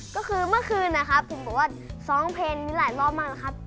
ก็คือเมื่อคืนนะครับผมบอกว่าร้องเพลงนี้หลายรอบมากนะครับ